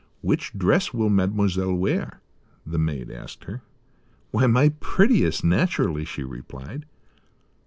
"Which dress will Mademoiselle wear?" the maid asked her. "Why, my prettiest, naturally," she replied.